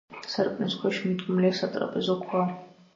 სარკმლის ქვეშ მიდგმულია სატრაპეზო ქვა.